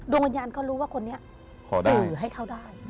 วิญญาณเขารู้ว่าคนนี้สื่อให้เขาได้